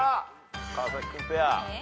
川君ペア。